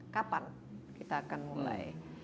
kapan kita akan mulai